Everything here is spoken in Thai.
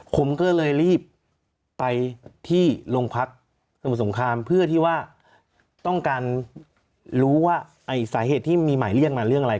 ผมก็เลยรีบไปที่โรงพักสมุทรสงครามเพื่อที่ว่าต้องการรู้ว่าสาเหตุที่มีหมายเรียกมาเรื่องอะไร